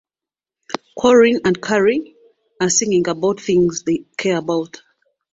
Corin and Carrie are singing about things they care about.